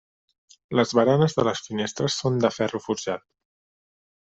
Les baranes de les finestres són de ferro forjat.